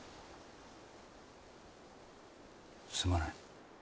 すまない。